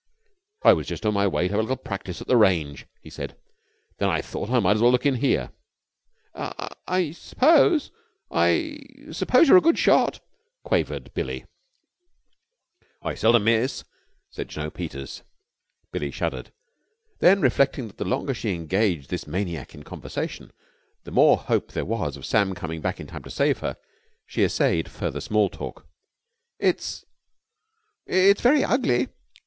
"I was just on my way to have a little practice at the range," he said. "Then I thought I might as well look in here." "I suppose I suppose you're a good shot?" quavered Billie. "I seldom miss," said Jno. Peters. Billie shuddered. Then, reflecting that the longer she engaged this maniac in conversation, the more hope there was of Sam coming back in time to save her, she essayed further small talk. "It's it's very ugly!"